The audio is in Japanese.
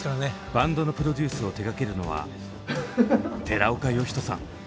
バンドのプロデュースを出がけるのは寺岡呼人さん。